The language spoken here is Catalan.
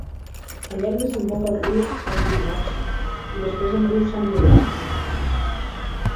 El llac desemboca al riu Oswegatchie i després al riu Sant Llorenç.